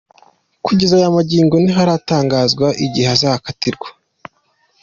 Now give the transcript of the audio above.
Kugeza aya magingo, ntiharatangazwa igihe azakatirwa.